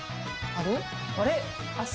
あれ？